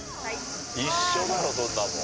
一緒だろそんなもん。